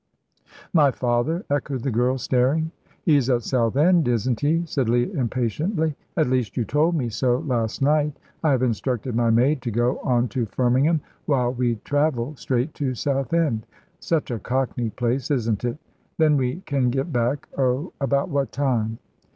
"My father?" echoed the girl, staring. "He's at Southend, isn't he?" said Leah, impatiently; "at least, you told me so last night. I have instructed my maid to go on to Firmingham, while we travel straight to Southend. Such a cockney place, isn't it? Then we can get back oh, about what time?"